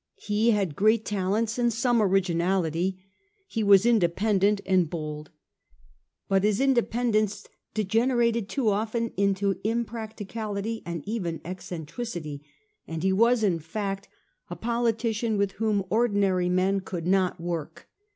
He had great talents and some originality; he was independent and bold. But his independence degenerated too often into impracticability and even eccentricity ; and he was, in fact, a politician with whom ordinary men 1846. THE RUSSELL MINISTRY. 415 could not work.